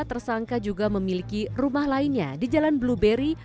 tersangka juga memiliki rumah lainnya di jalan blueberry